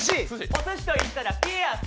おすしといったらピアス。